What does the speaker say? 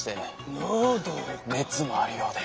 熱もあるようで。